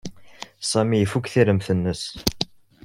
Sami ifuk tiremt-nnes.